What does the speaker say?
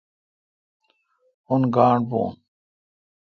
اون گاݨڈ بھو۔